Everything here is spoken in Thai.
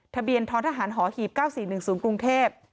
ทะเบียนท้อทหารหอหีบเก้าสี่หนึ่งศูนย์กรุงเทพ